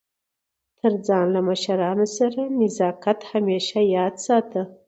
تر ځان له مشرانو سره نزاکت همېشه یاد ساته!